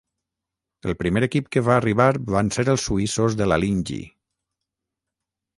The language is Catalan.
El primer equip que va arribar van ser els suïssos de l'Alinghi